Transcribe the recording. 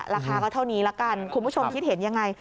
ราคาก็เท่านี้ละกันคุณผู้ชมคิดเห็นยังไง